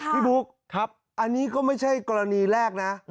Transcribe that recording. พี่บุ๊คอันนี้ก็ไม่ใช่กรณีแรกนะ